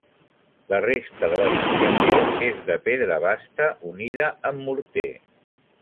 La resta de l'edificació és de pedra basta unida amb morter.